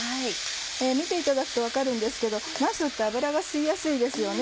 見ていただくと分かるんですけどなすって油を吸いやすいですよね。